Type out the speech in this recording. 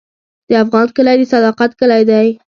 د افغان کلی د صداقت کلی دی.